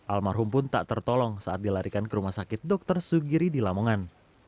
almarhum pun tak tertolong saat dilarikan ke rumah sakit dr sugiri di lamongan